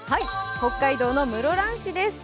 北海道の室蘭市です。